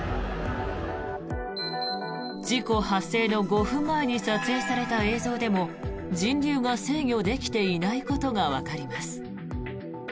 事故発生の５分前に撮影された映像でも人流が制御できていないことがわかります。